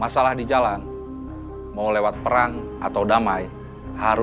saya bantu bu